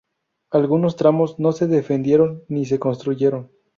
Algunos tramos no se definieron ni se construyeron.